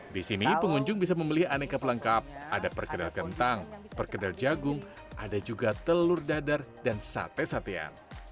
di sini pengunjung bisa membeli aneka pelengkap ada perkedel kentang perkedel jagung ada juga telur dadar dan sate satean